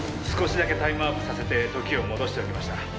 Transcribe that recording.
少しだけタイムワープさせて時を戻しておきました。